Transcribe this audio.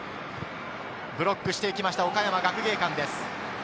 ブロックしていきました、岡山学芸館です。